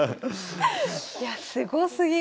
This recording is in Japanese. いやすごすぎます。